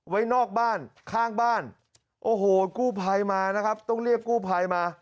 ไว้นอกบ้านข้างบ้านโอ้โหกู้ภัยมานะครับต้องเรียกกู้ภัยมา